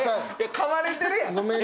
かまれてるやん。